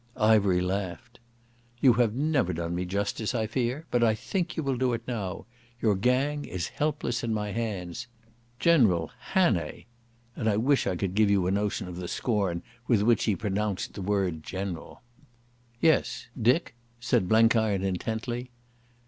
Ivery laughed. "You have never done me justice, I fear; but I think you will do it now. Your gang is helpless in my hands. General Hannay...." And I wish I could give you a notion of the scorn with which he pronounced the word "General". "Yes—Dick?" said Blenkiron intently.